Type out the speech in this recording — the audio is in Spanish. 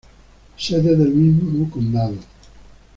Sede del mismo condado.